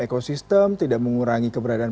ekosistem tidak mengurangi keberadaan